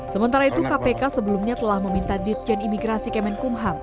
sementara itu kpk sebelumnya telah meminta ditjen imigrasi kemenkumham